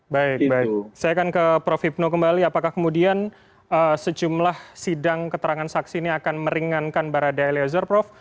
baik baik saya akan ke prof hipno kembali apakah kemudian sejumlah sidang keterangan saksi ini akan meringankan barada eliezer prof